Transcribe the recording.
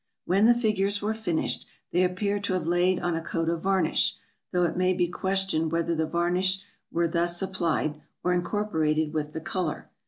When the figures were finished, they appear to have laid on a coat of varnish; though it may be questioned whether the varnish were thus applied, or incorporated with the color.